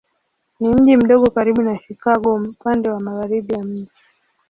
Ni mji mdogo karibu na Chicago upande wa magharibi ya mji.